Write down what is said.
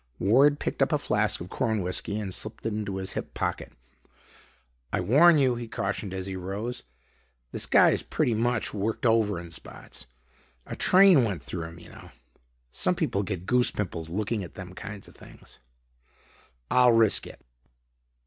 Ward picked up a flask of corn whiskey and slipped it into his hip pocket. "I warn you," he cautioned as he rose, "this guy's pretty much worked over in spots. A train went through him you know. Some people get goose pimples looking at them kind of things." "I'll risk it."